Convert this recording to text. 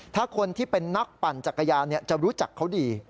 ถ้าคนที่เป็นนักปั่นจักรยานจะรู้จักเขาดี